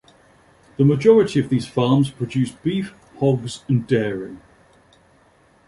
The majority of these farms produce beef, hogs, and dairy.